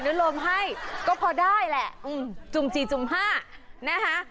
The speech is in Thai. อนุโลมให้ก็พอได้แหละอืมสุ่มสี่สุ่มห้านะฮะ